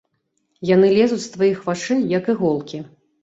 Яны лезуць з тваіх вачэй, як іголкі.